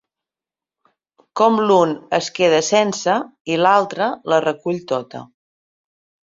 Com l’un es queda sense i l’altre la recull tota.